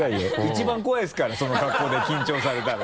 一番怖いですからその格好で緊張されたら。